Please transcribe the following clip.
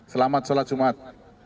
selamat sholat sumat